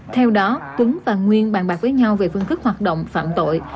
theo đó tuấn và nguyên bàn bạc với nhau về phương thức hoạt động phạm tội